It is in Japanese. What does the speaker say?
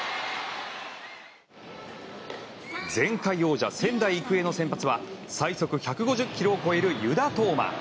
前回王者、仙台育英の先発は最速１５０キロを超える湯田統真。